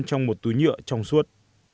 trong một túi nhựa trong suốt